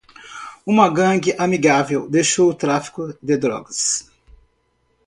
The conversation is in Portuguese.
Uma gangue amigável deixou o tráfico de drogas.